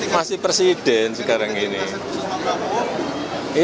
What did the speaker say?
masih presiden sekarang ini